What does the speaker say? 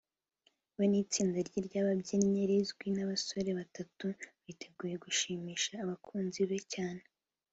Akomeza kandi atangaza ko we n’itsindarye ry’ababyinnyi rigizwe n’abasore batatu biteguye gushimisha abakunzi be cyane